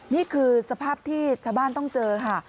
นี่คือสภาพที่ชาวบ้านต้องเจอค่ะ